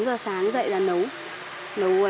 bốn giờ sáng dậy là nấu